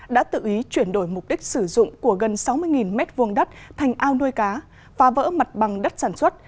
đã tự ý chuyển đổi mục đích sử dụng của gần sáu mươi m hai đất thành ao nuôi cá phá vỡ mặt bằng đất sản xuất